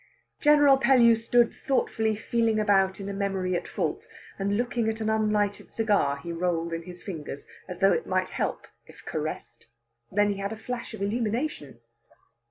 General Pellew stood thoughtfully feeling about in a memory at fault, and looking at an unlighted cigar he rolled in his fingers, as though it might help if caressed. Then he had a flash of illumination.